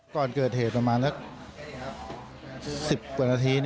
ก่อนเกิดเหตุประมาณสัก๑๐กว่านาที